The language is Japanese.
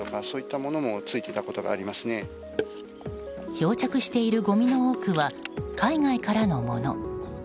漂着しているごみの多くは海外からのもの。